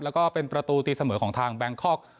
แล้วก็เป็นประตูตีเสมอของทางแบงคอก